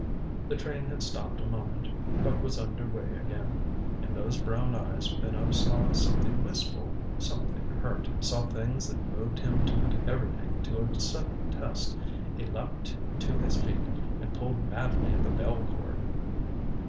The train had stopped a moment, but was under way again. In those brown eyes Minot saw something wistful, something hurt, saw things that moved him to put everything to a sudden test. He leaped to his feet and pulled madly at the bell cord.